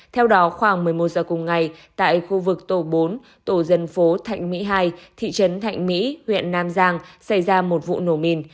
theo đó khoảng một mươi một giờ cùng ngày tại khu vực tổ bốn tổ dân phố thạnh mỹ hai thị trấn thạnh mỹ huyện nam giang xảy ra một vụ nổ mìn